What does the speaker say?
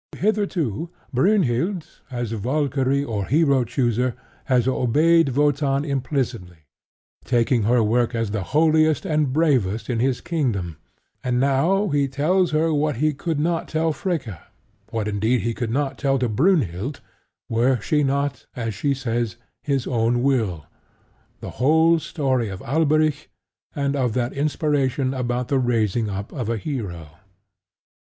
Hitherto, Brynhild, as Valkyrie or hero chooser, has obeyed Wotan implicitly, taking her work as the holiest and bravest in his kingdom; and now he tells her what he could not tell Fricka what indeed he could not tell to Brynhild, were she not, as she says, his own will the whole story of Alberic and of that inspiration about the raising up of a hero.